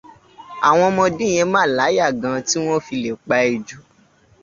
Àwọn ọmọdé́ wọ̀nyẹn mà láyà gan tí wọ́n fi lè pa ejò